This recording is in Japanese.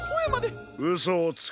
うそをつくな。